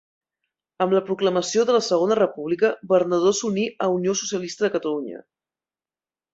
Amb la proclamació de la Segona República Bernadó s’uní a Unió Socialista de Catalunya.